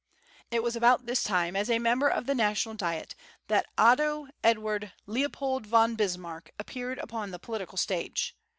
It was about this time, as a member of the National Diet, that Otto Edward Leopold von Bismarck appeared upon the political stage.